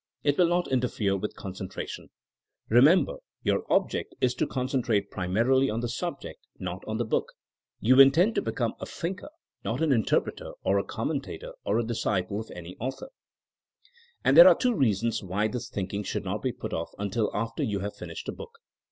It will not interfere with concentratioiL Eemember your object is to con THINKINO AS A 80IEN0E 165 centrate primarily on the subject, not on the book ; you intend to become a thinker, not an in terpreter or a commentator or a disciple of any author. And there are two reasons why this thinking should not be put off xmtil after you have finished a book.